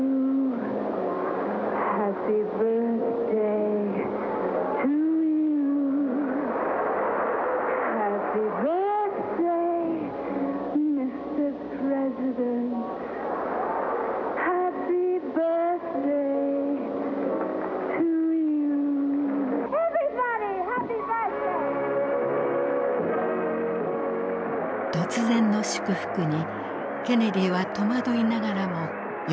突然の祝福にケネディは戸惑いながらも喜びを隠さなかった。